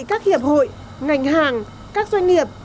các hiệp hội ngành hàng các doanh nghiệp